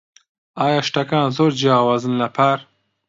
ئایا شتەکان زۆر جیاوازن لە پار؟